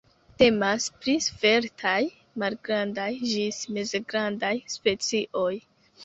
Temas pri sveltaj, malgrandaj ĝis mezgrandaj specioj.